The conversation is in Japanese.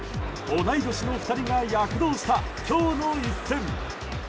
同い年の２人が躍動した今日の一戦。